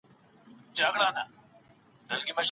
هغې هيڅکله د خاوند له پريکړي سره مخالفت نه دی کړی.